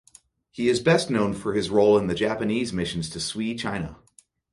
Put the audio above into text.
He is best known for his role in the Japanese missions to Sui China.